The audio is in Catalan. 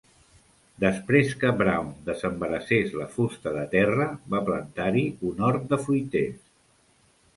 Després que Brown desembarassés la fusta de terra, va plantar-hi un hort de fruiters.